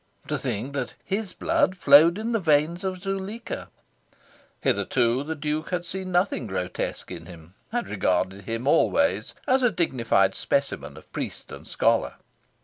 To think that his blood flowed in the veins of Zuleika! Hitherto the Duke had seen nothing grotesque in him had regarded him always as a dignified specimen of priest and scholar.